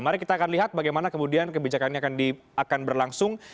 mari kita akan lihat bagaimana kemudian kebijakannya akan berlangsung